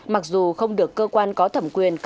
mặc dù không được cơ quan có thẩm quyền